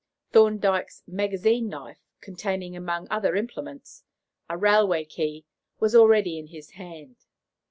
Thorndyke's magazine knife, containing, among other implements, a railway key, was already in his hand.